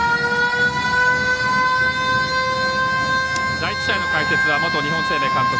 第１試合の解説は元日本生命監督